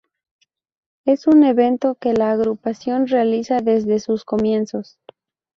Es un evento que la agrupación realiza desde sus comienzos.